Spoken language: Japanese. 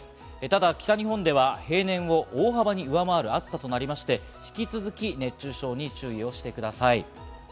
ただ、北日本では平年を大幅に上回る暑さとなりまして、引き続き熱中症に注意をしてください。